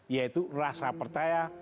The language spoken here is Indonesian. yaitu rasa percaya